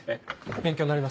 勉強になります。